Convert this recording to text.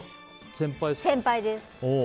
先輩です。